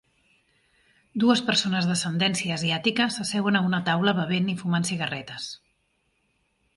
Dues persones d'ascendència asiàtica s'asseuen a una taula bevent i fumant cigarretes.